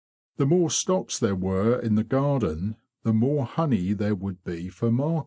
The more stocks there were in the garden the more honey there would be for market.